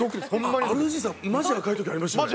ＲＧさんマジで赤い時ありましたよね。